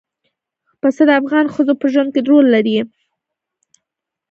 پسه د افغان ښځو په ژوند کې رول لري.